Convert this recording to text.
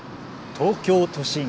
東京都心。